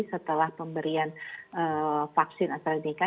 setelah pemberian vaksin astrazeneca